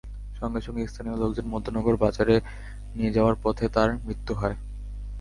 সঙ্গে সঙ্গে স্থানীয় লোকজন মধ্যনগর বাজারে নিয়ে যাওয়ার পথে তাঁর মৃত্যু হয়।